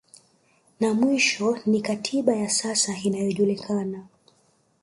Na mwisho ni katiba ya sasa inayojulikana